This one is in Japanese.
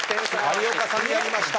有岡さんやりました。